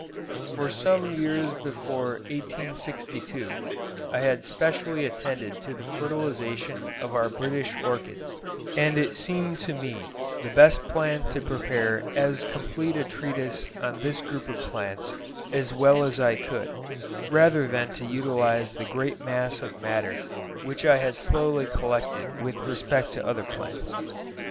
For some years before 1862 I had specially attended to the fertilisation of our British orchids; and it seemed to me the best plan to prepare as complete a treatise on this group of plants as well as I could, rather than to utilise the great mass of matter which I had slowly collected with respect to other plants.